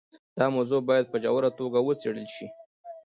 دا موضوع باید په ژوره توګه وڅېړل شي.